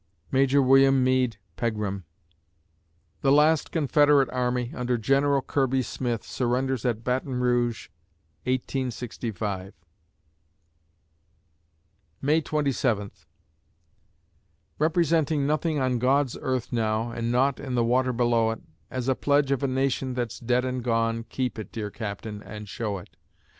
MAJOR WILLIAM MEADE PEGRAM The last Confederate army, under General Kirby Smith, surrenders at Baton Rouge, 1865 May Twenty Seventh Representing nothing on God's earth now, And naught in the water below it, As a pledge of a nation that's dead and gone, Keep it, dear Captain, and show it.